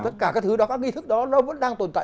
tất cả các thứ đó các nghi thức đó nó vẫn đang tồn tại